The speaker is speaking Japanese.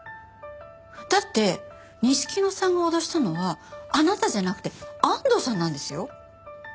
だって錦野さんが脅したのはあなたじゃなくて安藤さんなんですよ？